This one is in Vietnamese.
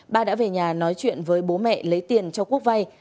ba đã về nhà nói chuyện với bố mẹ lấy tiền cho quốc vay